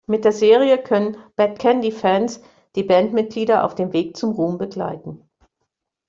Mit der Serie können "Bad Candy"-Fans die Bandmitglieder auf dem Weg zum Ruhm begleiten.